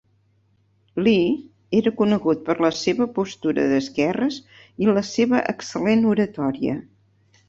Lee era conegut per la seva postura d'esquerres i la seva excel·lent oratòria.